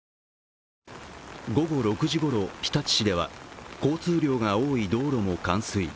午後６時ごろ、日立市では交通量が多い道路も冠水。